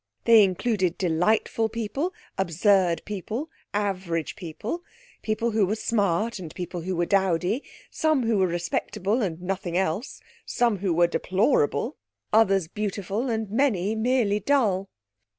They included delightful people, absurd people, average people; people who were smart and people who were dowdy, some who were respectable and nothing else, some who were deplorable, others beautiful, and many merely dull.